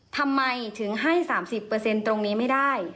ทำไมถึงให้๓๐ตรงนี้ไม่ได้